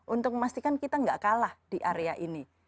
untuk memastikan kita nggak kalah di area ini